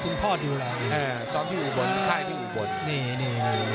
มันโดนแต่มันไม่ยุดนะ